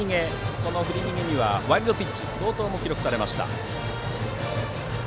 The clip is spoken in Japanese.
この振り逃げにはワイルドピッチ、冒頭も記録されました。